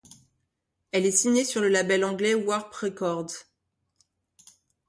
Elle est signée sur le label anglais Warp Records.